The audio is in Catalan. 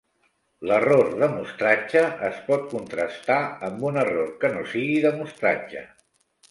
L'error de mostratge es pot contrastar amb un error que no sigui de mostratge.